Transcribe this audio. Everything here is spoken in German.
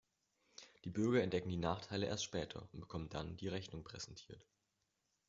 Die Bürger entdecken die Nachteile erst später und bekommen dann die Rechnung präsentiert.